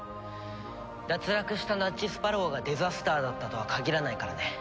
脱落したナッジスパロウがデザスターだったとは限らないからね。